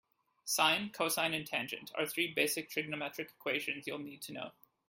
Sine, cosine and tangent are three basic trigonometric equations you'll need to know.